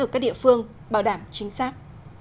ở các địa phương bảo đảm chính xác